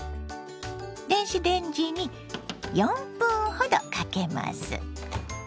電子レンジに４分ほどかけます。